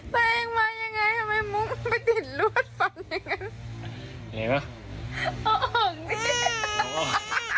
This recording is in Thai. แป๊งมายังไงทำไมมุ้งไปติดรวดฟันอย่างนั้น